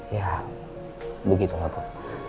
ya begitulah bu